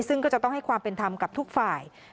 ซึ่งก็จะต้องให้ความเป็นธรรมกับทุกฝ่าย